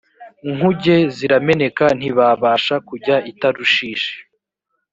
nkuge zirameneka ntibabasha kujya i tarushishi